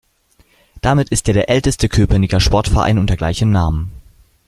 Damit ist er der älteste Köpenicker Sportverein unter gleichem Namen.